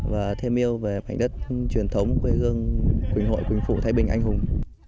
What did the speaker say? và thêm yêu về mảnh đất truyền thống quê hương quỳnh hội quỳnh phụ thái bình anh hùng